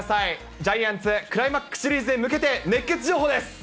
ジャイアンツクライマックスシリーズへ向けて、熱ケツ情報です。